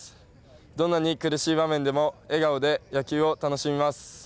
どんなに苦しい場面でも笑顔で野球を楽しみます。